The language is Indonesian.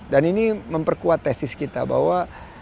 dan ini memperkuat tesis kita bahwa